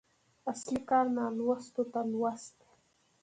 اصلي کار نالوستو ته لوست دی.